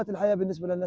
saya menjaga mereka